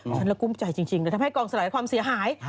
ฉันแล้วกุ้มใจจริงเลยทำให้กองสลายความเสียหาย